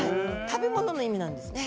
食べ物の意味なんですね。